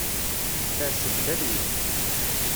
Ters-d talwit.